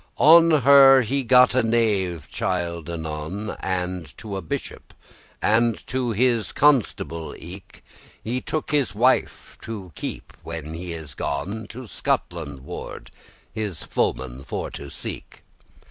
On her he got a knave* child anon, *male <14> And to a Bishop and to his Constable eke He took his wife to keep, when he is gone To Scotland ward, his foemen for to seek.